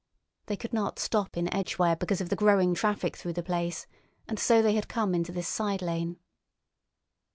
They could not stop in Edgware because of the growing traffic through the place, and so they had come into this side lane.